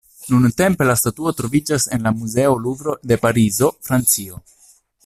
Nuntempe la statuo troviĝas en la Muzeo Luvro de Parizo, Francio.